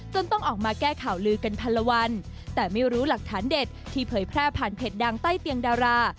ต้องออกมาแก้ข่าวลือกันพันละวันแต่ไม่รู้หลักฐานเด็ดที่เผยแพร่ผ่านเพจดังใต้เตียงดารา